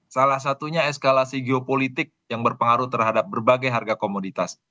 salah satunya eskalasi geopolitik yang berpengaruh terhadap berbagai harga komoditas